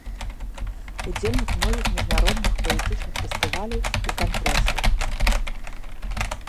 Удзельнік многіх міжнародных паэтычных фестываляў і кангрэсаў.